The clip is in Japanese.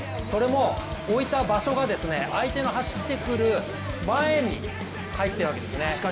それも置いた場所が相手の走ってくる前に入っているわけですね。